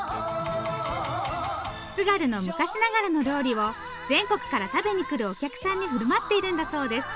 津軽の昔ながらの料理を全国から食べに来るお客さんに振る舞っているんだそうです。